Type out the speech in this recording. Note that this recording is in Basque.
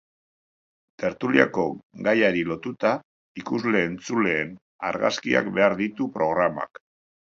Tertuliako gaiari lotuta, ikusle-entzuleen argazkiak behar ditu programak.